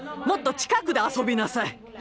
もっと近くで遊びなさい。